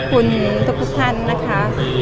ขอบคุณทุกทุกท่านนะคะ